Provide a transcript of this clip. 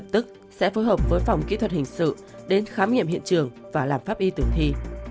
tức sẽ phối hợp với phòng kỹ thuật hình sự đến khám nghiệm hiện trường và làm pháp y tử thi